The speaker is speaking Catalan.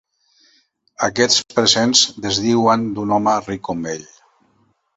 Aquests presents desdiuen d'un home ric com ell.